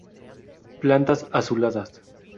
Plantas azuladas.